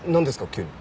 急に。